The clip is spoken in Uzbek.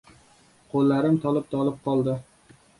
Qo‘llarim tolib-tolib qoladi.